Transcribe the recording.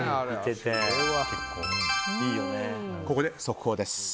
ここで速報です。